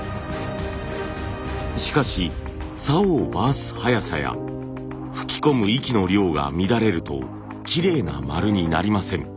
しかしさおを回す速さや吹き込む息の量が乱れるときれいな丸になりません。